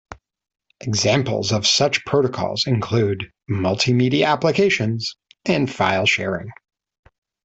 Examples of such protocols include multimedia applications and file sharing.